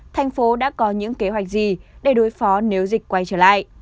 thành phố đã có những kế hoạch gì để đối phó nếu dịch quay trở lại